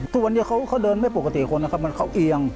ทุกวันนี้เขาเดินไม่ปกติคนนะครับเขาเอียง